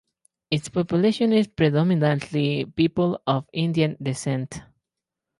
Its population is predominantly people of Indian descent.